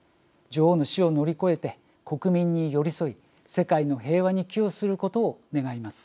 女王の死を乗り越えて国民に寄り添い世界の平和に寄与することを願います。